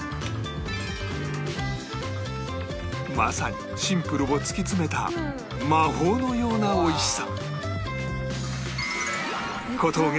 まさにシンプルを突き詰めた魔法のようなおいしさ